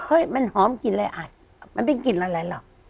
มันหอมกลิ่นอะไรอัดมันเป็นกลิ่นอะไรหรอก